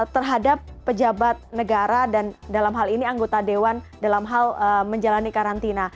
terhadap pejabat negara dan dalam hal ini anggota dewan dalam hal menjalani karantina